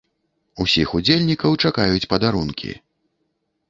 Усіх удзельнікаў чакаюць падарункі.